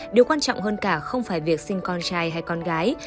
điều quan trọng hơn cả không phải việc sinh con trai hay con gái